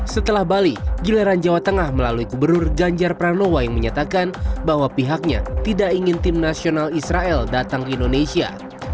setelah bali giliran jawa tengah melalui gubernur ganjar pranowo yang menyatakan bahwa pihaknya tidak ingin tim nasional israel datang ke indonesia